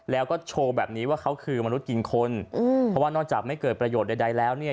แล้วก็โชว์แบบนี้ว่าเขาคือมนุษย์กินคนอืมเพราะว่านอกจากไม่เกิดประโยชน์ใดแล้วเนี่ย